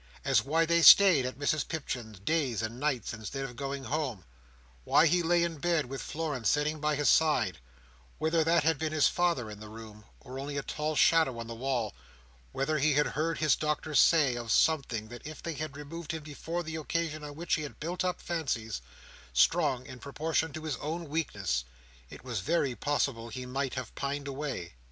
As, why they stayed at Mrs Pipchin's days and nights, instead of going home; why he lay in bed, with Florence sitting by his side; whether that had been his father in the room, or only a tall shadow on the wall; whether he had heard his doctor say, of someone, that if they had removed him before the occasion on which he had built up fancies, strong in proportion to his own weakness, it was very possible he might have pined away.